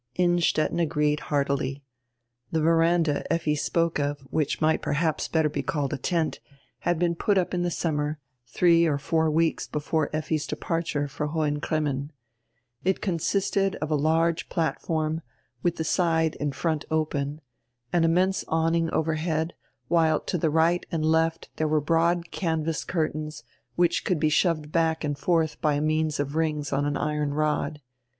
Innstetten agreed heartily. The veranda Effi spoke of, which might perhaps better be called a tent, had been put up in the summer, three or four weeks before Effi's depar ture for Hohen Cremmen, It consisted of a large platform, with die side in front open, an immense awning overhead, while to die right and left there were broad canvas cur tains, which could be shoved back and forth by means of rings on an iron rod.